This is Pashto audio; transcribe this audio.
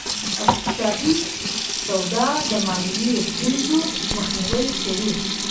اقتصادي سواد د مالي ستونزو مخنیوی کوي.